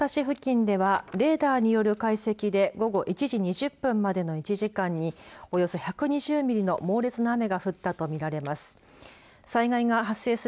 気象庁によりますと静岡県の磐田市付近ではレーダーによる解析で午後１時２０分までの１時間におよそ１２０ミリの猛烈な雨が降ったと見られます。